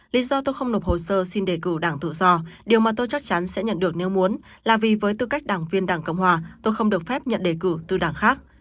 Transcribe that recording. lý do tôi không nộp hồ sơ xin đề cử đảng tự do điều mà tôi chắc chắn sẽ nhận được nếu muốn là vì với tư cách đảng viên đảng cộng hòa tôi không được phép nhận đề cử từ đảng khác